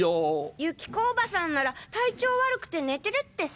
有希子おばさんなら体調悪くて寝てるってさ。